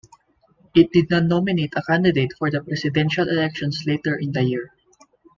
It did not nominate a candidate for the presidential elections later in the year.